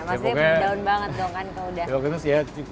maksudnya penjauhan banget dong kan kalau udah